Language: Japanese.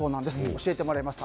教えてもらいました。